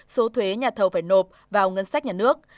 số thuế nhà thầu phải nộp vào ngân sách nhà nước